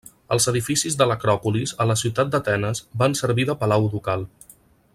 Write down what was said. Els edificis de l'Acròpolis a la ciutat d'Atenes van servir de palau ducal.